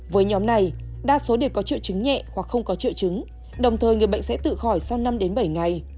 với nhóm này đa số đều có triệu chứng nhẹ hoặc không có triệu chứng đồng thời người bệnh sẽ tự khỏi sau năm bảy ngày